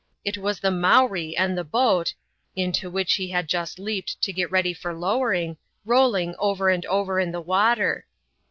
It was the Mowree and the boat — into which he had just leaped to get ready for lowering — rolling over and over in the water.